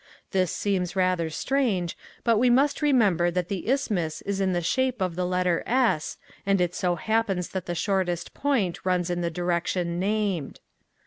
This seems rather strange but we must remember that the Isthmus is in the shape of the letter S and it so happens that the shortest point runs in the direction named.